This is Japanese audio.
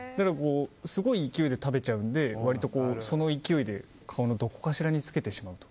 すごい勢いで食べちゃうのでその勢いで顔のどこかしらにつけてしまうと。